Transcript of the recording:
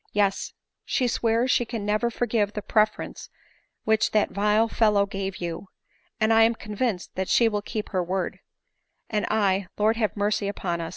" Yes; she swears she can never forgive the preference which that vile fellow gave you, and I am convinced that she will keep her word ; and — Lord have mercy upon us